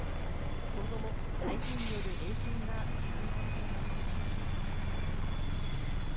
今後も台風による影響が懸念されています。